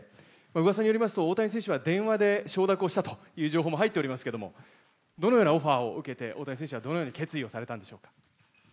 噂によりますと、大谷選手は電話で承諾をしたという情報も入っていますがどのようなオファーを受けて大谷選手はどのように決意をされたんでしょうか。